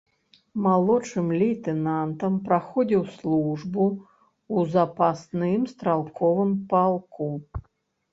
Малодшым лейтэнантам праходзіў службу ў запасным стралковым палку.